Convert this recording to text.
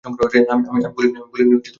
আমি বলিনি তুমি ঠিক ছিলে।